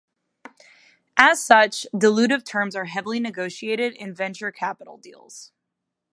As such, dilutive terms are heavily negotiated in venture capital deals.